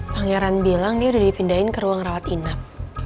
pangeran bilang dia udah dipindahin ke ruang rawat inap